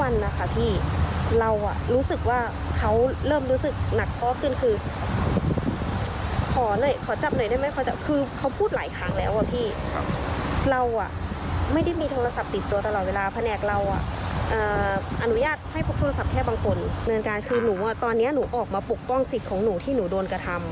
เนื่องจากนี้คือตอนนี้หนูออกมาปกป้องสิทธิ์ของหนูที่หนูโดนกระทำ